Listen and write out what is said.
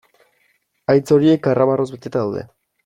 Haitz horiek karramarroz beteta daude.